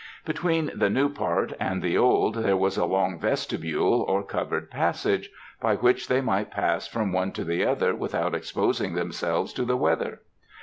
Between the new part and the old there was a long vestibule, or covered passage, by which they might pass from one to the other without exposing themselves to the weather.